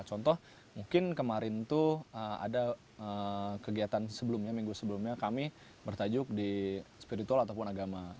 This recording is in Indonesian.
contoh mungkin kemarin itu ada kegiatan sebelumnya minggu sebelumnya kami bertajuk di spiritual ataupun agama